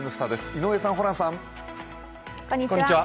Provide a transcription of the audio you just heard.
井上さん、ホランさん。